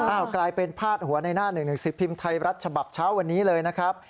อ้าวกลายเป็นพาดหัวในหน้า๑๑๑๐พิมพ์ไทยรัชบับเช้าวันนี้เลยนะครับ